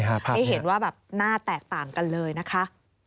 ให้เห็นว่าแบบหน้าแตกต่างกันเลยนะคะ